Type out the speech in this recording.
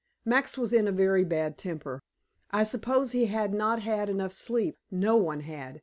Max was in a very bad temper; I suppose he had not had enough sleep no one had.